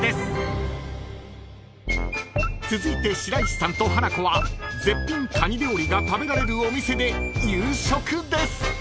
［続いて白石さんとハナコは絶品蟹料理が食べられるお店で夕食です］